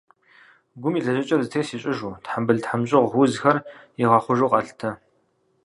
Гум и лэжьэкӏэр зэтес ищӏыжу, тхьэмбыл-тхьэмщӏыгъу узхэр игъэхъужу къалъытэ.